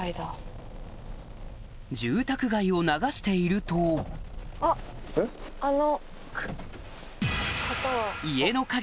住宅街を流しているとあの。